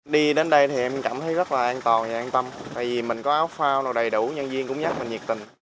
đi đến đây thì em cảm thấy rất là an toàn và an tâm tại vì mình có áo phao đầy đủ nhân viên cũng nhắc mình nhiệt tình